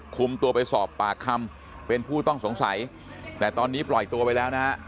คุมตัวไปสอบปากคำเป็นผู้ต้องสงสัยแต่ตอนนี้ปล่อยตัวไปแล้วนะฮะ